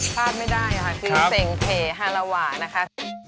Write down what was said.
พลาดไม่ได้ค่ะคือเซ็งเทฮาลาวะนะคะ